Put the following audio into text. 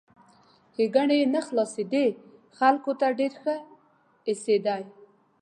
ښېګڼې یې نه خلاصېدې ، خلکو ته ډېر ښه ایسېدی!